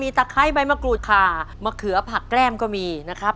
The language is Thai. ตะไคร้ใบมะกรูดขามะเขือผักแก้มก็มีนะครับ